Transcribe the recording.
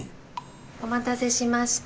お待たせしました。